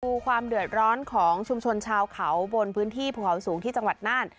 ดูความเดือดร้อนของชุมชนชาวเขาบนพื้นที่ภูเขาสูงที่จังหวัดน่าน